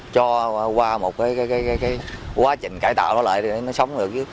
cho qua một cái quá trình cải tạo nó lại để nó sống được